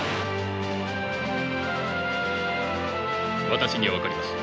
私には分かります。